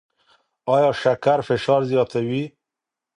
ایا شکر فشار زیاتوي؟